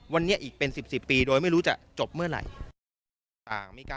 วันนี้อีกเป็น๑๐ปีโดยไม่รู้จะจบเมื่อไหร่